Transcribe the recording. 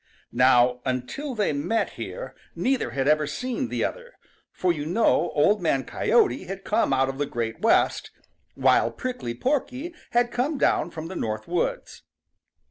Now until they met here neither had ever seen the other, for you know Old Man Coyote had come out of the Great West, while Prickly Porky had come down from the North Woods.